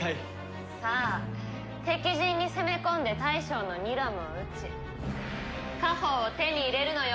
さあ敵陣に攻め込んで大将のニラムを討ち家宝を手に入れるのよ！